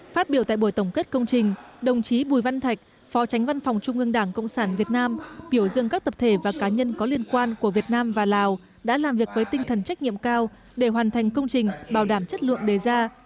phát biểu tại buổi tổng kết công trình đồng chí bùi văn thạch phó tránh văn phòng trung ương đảng cộng sản việt nam biểu dương các tập thể và cá nhân có liên quan của việt nam và lào đã làm việc với tinh thần trách nhiệm cao để hoàn thành công trình bảo đảm chất lượng đề ra